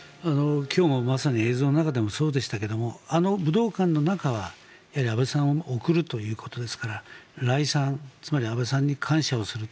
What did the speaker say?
今日もまさに映像の中でもそうでしたけどもあの武道館の中は、安倍さんを送るということですから礼賛、つまり安倍さんに感謝をする。